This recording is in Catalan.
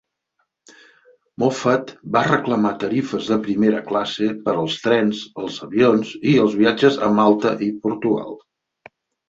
Moffat va reclamar tarifes de primera classe per als trens, els avions i els viatges a Malta i Portugal.